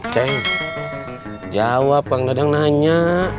ceng jawab kang dadang nanya